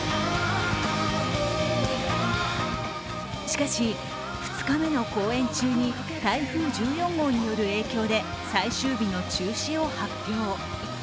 しかし２日目の公演中に台風１４号による影響で最終日の中止を発表。